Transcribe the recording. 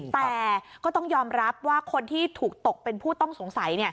แต่ก็ต้องยอมรับว่าคนที่ถูกตกเป็นผู้ต้องสงสัย